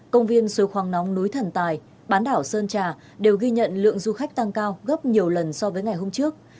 công viên sối khoáng nóng núi thần tài bán đảo sơn trà đều ghi nhận lượng du khách tăng cao gấp nhiều lần so với ngày hôm trước